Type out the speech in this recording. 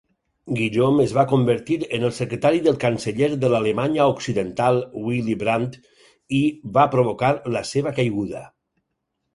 Guillaume es va convertir en el secretari del canceller de l'Alemanya Occidental Willy Brandt i va provocar la seva caiguda.